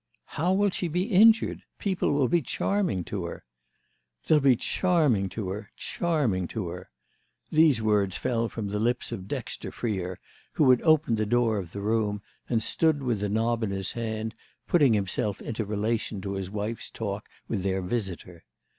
"How will she be injured? People will be charming to her." "They'll be charming to her—charming to her!" These words fell from the lips of Dexter Freer, who had opened the door of the room and stood with the knob in his hand, putting himself into relation to his wife's talk with their visitor.